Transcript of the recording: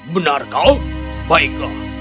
benar kau baiklah